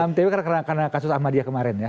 mtw karena kasus ahmadiyah kemarin ya